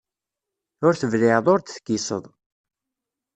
Ur tebliɛeḍ ur d-tekkiseḍ.